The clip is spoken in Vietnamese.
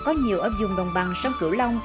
có nhiều ở vùng đồng bằng sông cửu long